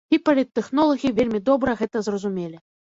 І паліттэхнолагі вельмі добра гэта зразумелі.